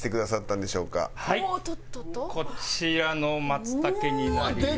こちらの松茸になります。